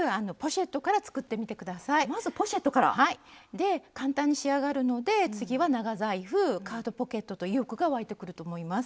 で簡単に仕上がるので次は長財布カードポケットと意欲が湧いてくると思います。